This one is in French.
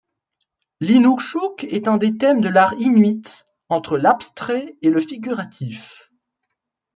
L'inukshuk est un des thèmes de l'art inuit, entre l'abstrait et le figuratif.